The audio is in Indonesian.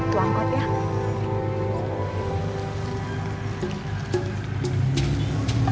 tuang kot ya